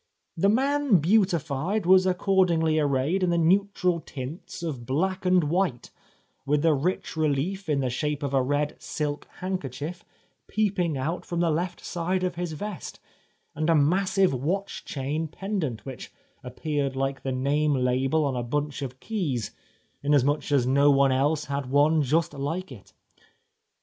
The man beautified was accord ingly arrayed in the neutral tints of black and white, with the rich reUef in the shape of a red silk handkerchief peeping out from the left side of his vest, and a massive watch chain pendant, which appeared Uke the name label on a bunch of keys, inasmuch as no one else had one just Uke it.